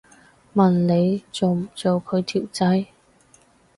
問你做唔做佢條仔